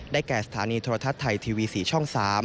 แก่สถานีโทรทัศน์ไทยทีวี๔ช่อง๓